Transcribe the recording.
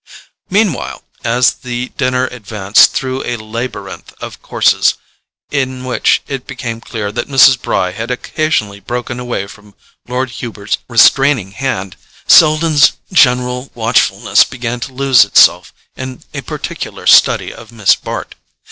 Meanwhile, as the dinner advanced through a labyrinth of courses, in which it became clear that Mrs. Bry had occasionally broken away from Lord Hubert's restraining hand, Selden's general watchfulness began to lose itself in a particular study of Miss Bart.